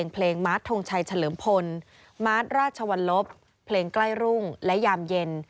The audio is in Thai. เพลงมาร์ททงชัยเฉลิมพลมาร์ทราชวรรลบเพลงใกล้รุ่งและยามเย็น